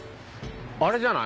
あれじゃない？